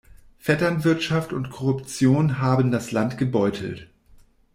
Vetternwirtschaft und Korruption haben das Land gebeutelt.